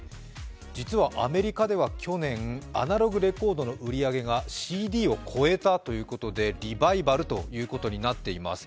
実はアメリカでは去年、アナログレコードの売り上げがＣＤを超えたということでリバイバルということになっています。